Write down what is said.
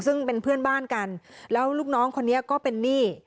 ซึ่งเป็นเพื่อนบ้านกันแล้วลูกน้องคนนี้ก็เป็นหนี้